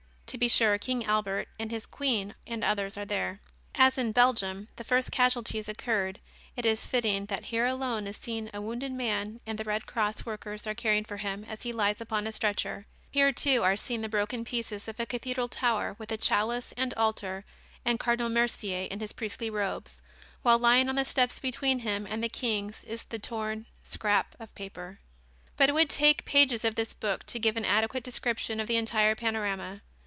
To be sure King Albert and his queen and others are there. As in Belgium the first casualties occurred it is fitting that here alone is seen a wounded man and the Red Cross workers are caring for him as he lies upon a stretcher. Here too, are seen the broken pieces of a cathedral tower with a chalice and altar and Cardinal Mercier in his priestly robes, while lying on the steps between him and the king is the torn "scrap of paper." But it would take pages of this book to give an adequate description of the entire panorama.